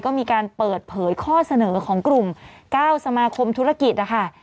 ก็มีการเปิดเผยข้อเสนอของกลุ่ม๙สมาคมธุรกิจนะคะ